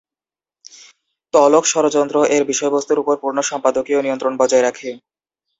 ভলখ ষড়যন্ত্র এর বিষয়বস্তুর উপর পূর্ণ সম্পাদকীয় নিয়ন্ত্রণ বজায় রাখে।